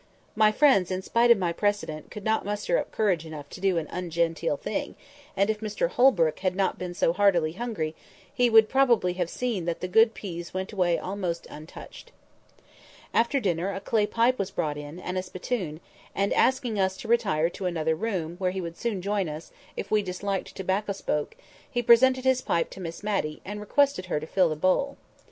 My friends, in spite of my precedent, could not muster up courage enough to do an ungenteel thing; and, if Mr Holbrook had not been so heartily hungry, he would probably have seen that the good peas went away almost untouched. After dinner, a clay pipe was brought in, and a spittoon; and, asking us to retire to another room, where he would soon join us, if we disliked tobacco smoke, he presented his pipe to Miss Matty, and requested her to fill the bowl.